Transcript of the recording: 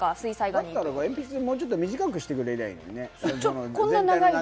だったら、もうちょっと短くしてくれりゃあいいのにね。